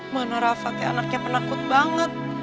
mana rafa anaknya penakut banget